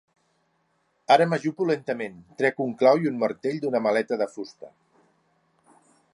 Ara m'ajupo lentament; trec un clau i un martell d'una maleta de fusta.